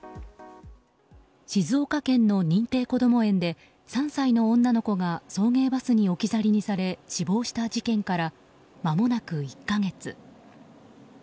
静岡県の認定こども園で３歳の女の子が送迎バスに置き去りにされ死亡した事件からまもなく１か月。